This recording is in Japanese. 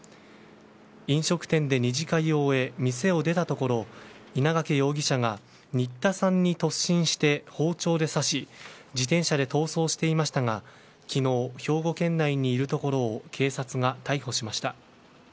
飲食店で２次会を終え店を出たところ、稲掛容疑者が新田さんに突進して包丁で刺し自転車で逃走していましたが昨日、兵庫県内にいるところを警察が逮捕しました。